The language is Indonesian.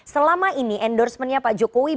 selama ini endorsement nya pak jokowi